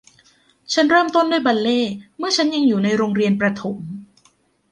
ฉันเริ่มต้นด้วยบัลเล่ต์เมื่อฉันยังอยู่ในโรงเรียนประถม